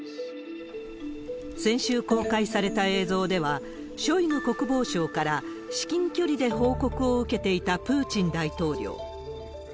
先週公開された映像では、ショイグ国防相から至近距離で報告を受けていたプーチン大統領。